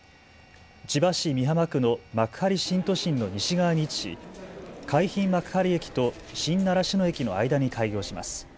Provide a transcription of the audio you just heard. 千葉市美浜区の幕張新都心の西側に位置し、海浜幕張駅と新習志野駅の間に開業します。